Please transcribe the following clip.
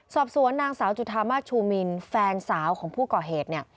สอบสวนนางสาวจุธามาสชูมินแฟนสาวของผู้ก่อเหตุเนี่ย